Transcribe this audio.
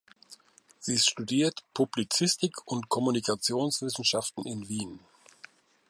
Sie studiert Publizistik- und Kommunikationswissenschaften in Wien.